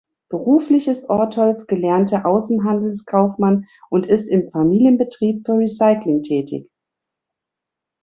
Beruflich ist Ortolf gelernter Außenhandelskaufmann und ist im Familienbetrieb für Recycling tätig.